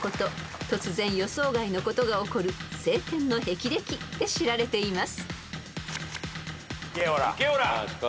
［突然予想外のことが起こる青天のへきれきで知られています］